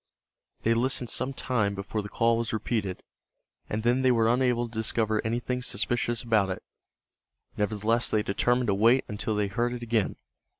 They listened some time before the call was repeated, and then they were unable to discover anything suspicious about it. Nevertheless they determined to wait until they heard it again.